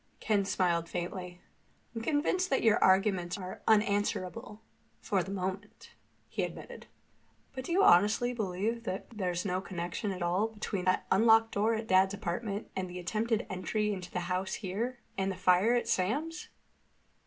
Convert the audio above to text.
Ken smiled faintly. "I'm convinced that your arguments are unanswerable—for the moment," he admitted. "But do you honestly believe there's no connection at all between that unlocked door at Dad's apartment, the attempted entry into the house here, and the fire at Sam's?"